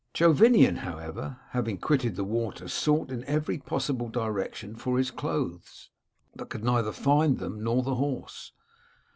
"Jovinian, however, having quitted the water sought in every possible direction for his clothes, but could find neither them nor the horse.